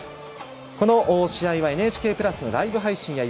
この試合はＮＨＫプラスのライブ配信や